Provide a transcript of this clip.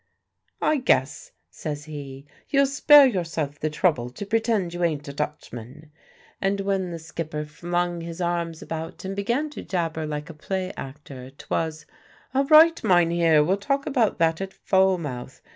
"I guess," says he, "you'll spare yourself the trouble to pretend you ain't a Dutchman"; and when the skipper flung his arms about and began to jabber like a play actor, 'twas "All right, Mynheer; we'll talk about that at Falmouth.